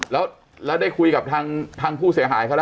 แล้วขับทางผู้เสียหายเขาล่ะ